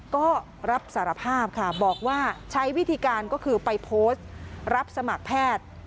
ก็รับสารภาพค่ะบอกว่าใช้วิธีการก็คือไปโพสต์รับสมัครแพทย์